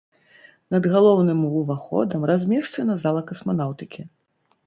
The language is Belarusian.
Над галоўным уваходам размешчана зала касманаўтыкі.